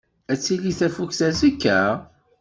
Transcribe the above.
Ad tili tafukt azekka?